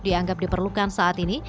dianggap diperlukan saat ini